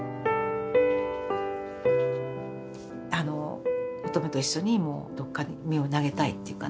あの音十愛と一緒にもうどっかに身を投げたいっていうかね